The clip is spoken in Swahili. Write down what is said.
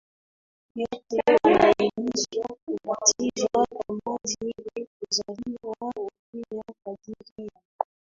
yote wanahimizwa kubatizwa kwa maji ili kuzaliwa upya kadiri ya